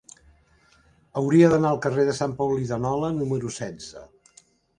Hauria d'anar al carrer de Sant Paulí de Nola número setze.